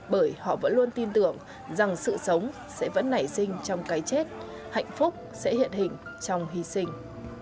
bởi họ vẫn luôn tin tưởng rằng sự sống sẽ vẫn nảy sinh trong cái chết hạnh phúc sẽ hiện hình trong hy sinh